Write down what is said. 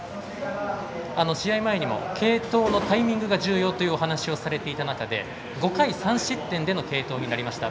試合前にも継投のタイミングが重要というお話をされていた中で５回３失点での継投になりました。